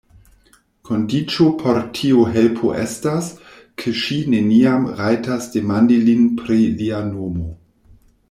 Kondiĉo por tiu helpo estas, ke ŝi neniam rajtas demandi lin pri lia nomo.